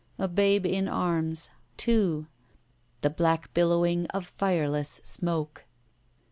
A babe in arms. Two. The black billowing of fireless smoke.